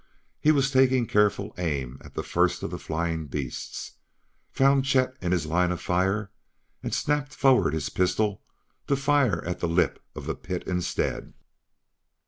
He was taking careful aim at the first of the flying beasts, found Chet in his line of fire, and snapped forward his pistol to fire at the lip of the pit instead.